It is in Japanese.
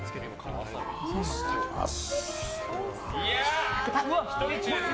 いただきます。